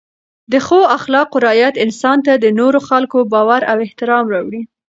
د ښو اخلاقو رعایت انسان ته د نورو خلکو باور او احترام راوړي.